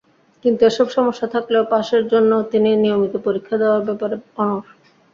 কিন্তু এসব সমস্যা থাকলেও পাসের জন্য তিনি নিয়মিত পরীক্ষা দেওয়ার ব্যাপারে অনড়।